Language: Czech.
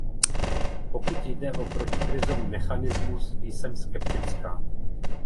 Pokud jde o protikrizový mechanismus, jsem skeptická.